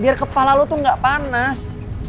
biar kepala lo tuh gak panas